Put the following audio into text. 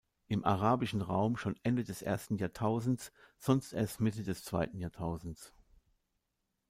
Im arabischen Raum schon Ende des ersten Jahrtausends, sonst erst Mitte des zweiten Jahrtausends.